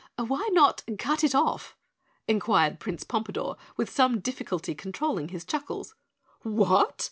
"Why not cut it off?" inquired Prince Pompadore, with some difficulty controlling his chuckles. "What?